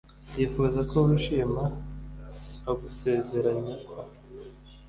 yifuza ko wishima agusezeranya ko